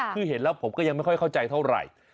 คือเห็นแล้วผมก็ยังไม่ค่อยเข้าใจเท่าไหร่